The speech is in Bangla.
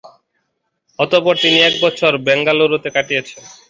অতঃপর তিনি এক বছর বেঙ্গালুরুতে কাটিয়েছেন।